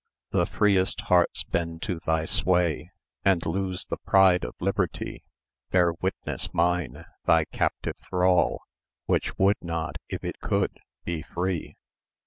The freest hearts bend to thy sway, And lose the pride of liberty; Bear witness mine, thy captive thrall, Which would not, if it could, be free.